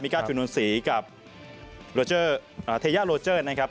มิการ์ดธุนูนศรีกับเทย่าโรเจอร์นะครับ